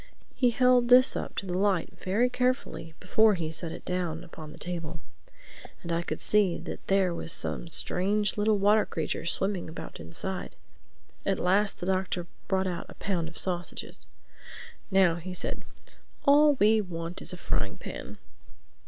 He held this up to the light very carefully before he set it down upon the table; and I could see that there was some strange little water creature swimming about inside. At last the Doctor brought out a pound of sausages. "Now," he said, "all we want is a frying pan."